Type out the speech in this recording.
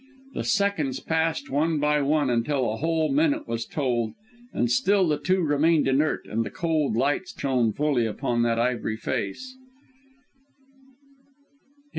The seconds passed one by one, until a whole minute was told, and still the two remained inert and the cold light shone fully upon that ivory face.